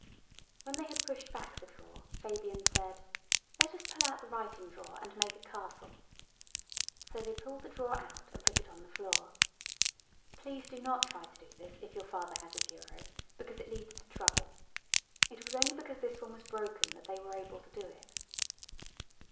When they had pushed back the drawer Fabian said— "Let us pull out the writing drawer and make a castle." So they pulled the drawer out and put it on the floor. Please do not try to do this if your father has a bureau, because it leads to trouble. It was only because this one was broken that they were able to do it.